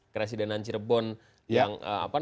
kresidenan cirebon yang